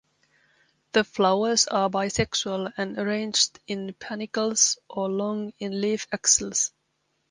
The flowers are bisexual and arranged in panicles or long in leaf axils.